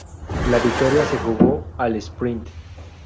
La victoria se jugó al sprint.